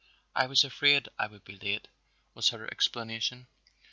"I was afraid I would be late," was her explanation.